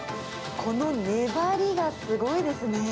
この粘りがすごいですね。